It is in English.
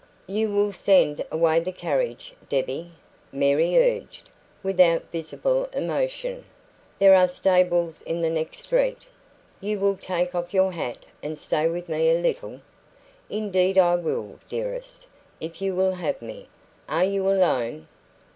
"You will send away the carriage, Debbie?" Mary urged, without visible emotion. "There are stables in the next street. You will take off your hat and stay with me a little?" "Indeed I will, dearest, if you will have me. Are you alone?"